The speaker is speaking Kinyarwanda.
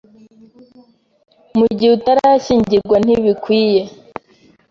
mu gihe utarashyingirwa ntibikwiye